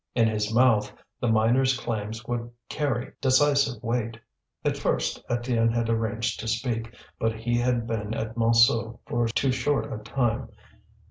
In his mouth the miners' claims would carry decisive weight. At first Étienne had arranged to speak, but he had been at Montsou for too short a time.